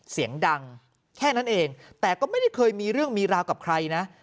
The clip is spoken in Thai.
เสียงดังแค่นั้นเองแต่ก็ไม่ได้เคยมีเรื่องมีราวกับใครนะ